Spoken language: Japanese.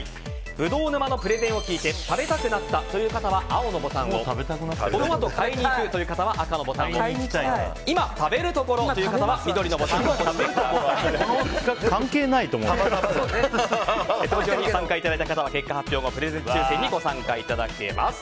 ブドウ沼のプレゼンを聞いて食べたくなったという方は青のボタンをこのあと買いに行くという方は赤のボタンを今食べるところという方は今食べる方は投票に参加いただいた方は結果発表後プレゼント抽選にご参加いただけます。